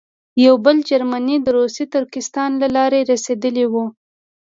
یو بل جرمنی د روسي ترکستان له لارې رسېدلی وو.